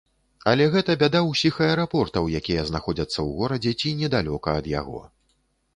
Але гэта бяда ўсіх аэрапортаў, якія знаходзяцца ў горадзе ці недалёка ад яго.